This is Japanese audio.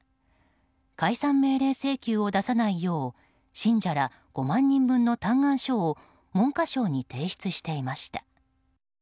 解散命令請求を出さないよう信者ら５万人分の嘆願書を文科省に提出していました。